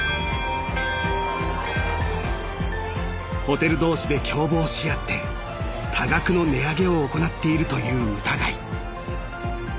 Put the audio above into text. ［ホテル同士で共謀しあって多額の値上げを行っているという疑い］